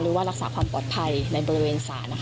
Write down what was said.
หรือว่ารักษาความปลอดภัยในบริเวณสาร